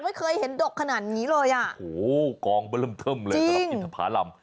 ไม่เคยเห็นดกขนาดนี้เลยโหกองเบลืมเทิ่มเลยจริงอินทภารำ